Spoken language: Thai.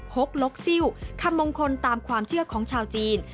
หกลกซิลคำมงคลตามความเชื่อของชาวจีน